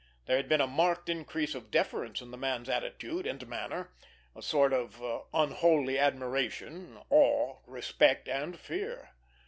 There had been a marked increase of deference in the man's attitude and manner, a sort of unholy admiration, awe, respect and fear.